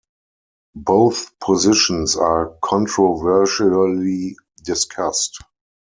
Both positions are controversially discussed.